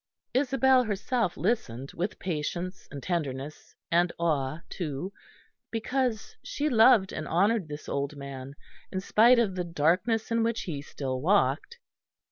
Isabel herself listened with patience and tenderness, and awe too; because she loved and honoured this old man in spite of the darkness in which he still walked.